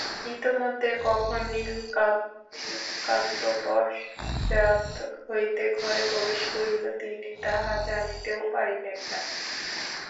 ইতিমধ্যে কখন নীলকান্ত পশ্চাৎ হইতে ঘরে প্রবেশ করিল তিনি তাহা জানিতেও পারিলেন না।